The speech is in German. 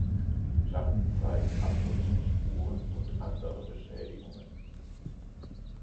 Die Platten zeigen Abnutzungsspuren und andere Beschädigungen.